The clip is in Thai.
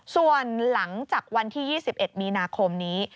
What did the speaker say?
ส่วนหลังจากวันที่๒๑มีนาคมนี้